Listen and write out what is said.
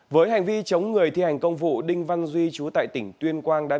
với hành vi chống người thi hành công vụ đinh văn duy chú tại tỉnh tuyên quang đã